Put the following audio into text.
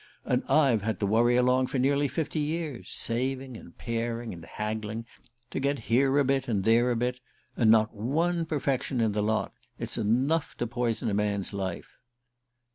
And I've had to worry along for nearly fifty years, saving and paring, and haggling and intriguing, to get here a bit and there a bit and not one perfection in the lot! It's enough to poison a man's life."